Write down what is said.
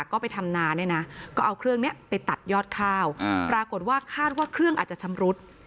ก็ไปทำนาเนี่ยนะก็เอาเครื่องนี้ไปตัดยอดข้าวปรากฏว่าคาดว่าเครื่องอาจจะชำรุด